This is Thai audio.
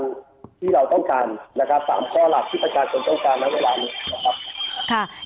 ๓ข้อหลักที่ตนการชนต้องการในเวลานี้